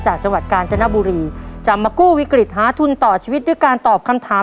จังหวัดกาญจนบุรีจะมากู้วิกฤตหาทุนต่อชีวิตด้วยการตอบคำถาม